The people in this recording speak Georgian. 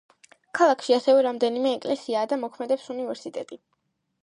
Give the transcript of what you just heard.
ქალაქში ასევე რამდენიმე ეკლესიაა და მოქმედებს უნივერსიტეტი.